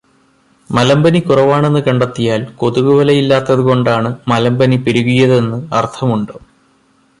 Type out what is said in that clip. മലമ്പനി കുറവാണെന്നു കണ്ടെത്തിയാൽ കൊതുകുവലയില്ലാത്തതുകൊണ്ടാണ് മലമ്പനി പെരുകിയതെന്ന് അർഥമുണ്ടോ?